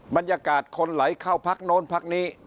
บรรยากาศคนไหลเข้าพักโน้นพักนี้